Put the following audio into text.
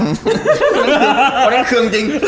เขาได้เครื่องจริง